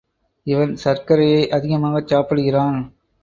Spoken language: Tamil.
இவன் சர்க்கரையை அதிகமாகச் சாப்பிடுகிறான்.